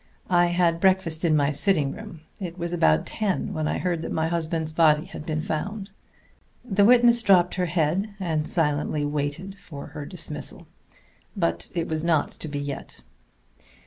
I had breakfast in my sitting room. It was about ten when I heard that my husband's body had been found." The witness dropped her head and silently waited for her dismissal. But it was not to be yet.